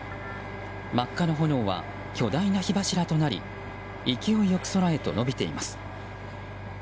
真っ赤な炎は巨大な火柱となり勢いよく空へと伸びています。